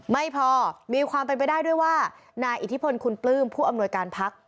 ไม่พอมีความเป็นไปได้ด้วยว่านายอิทธิพลคุณปลื้มผู้อำนวยการพัก